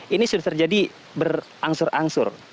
ini sudah terjadi berangsur angsur